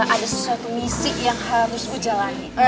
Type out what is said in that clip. ada sesuatu misi yang harus gue jalanin